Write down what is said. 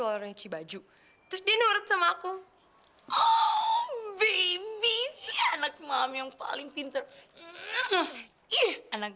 aduh gue di mana